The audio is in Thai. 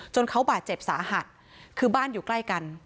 เขาบาดเจ็บสาหัสคือบ้านอยู่ใกล้กัน